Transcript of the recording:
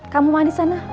kamu mandi sana